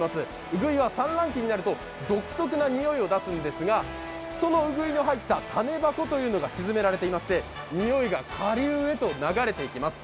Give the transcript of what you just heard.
ウグイは産卵期になると独特なにおいを出すんですが、そのウグイの入った種箱というのが沈められてまして匂いが下流へと流れていきます。